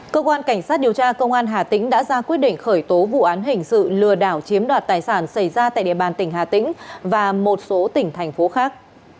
cơ quan cảnh sát điều tra công an hà tĩnh đã ra quyết định khởi tố vụ án hình sự lừa đảo chiếm đoạt tài sản xảy ra tại địa bàn tỉnh hà tĩnh và một số tỉnh thành phố khác